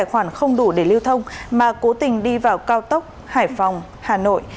tài khoản không đủ để lưu thông mà cố tình đi vào cao tốc hải phòng hà nội